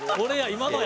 今のや！